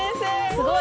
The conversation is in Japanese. すごい！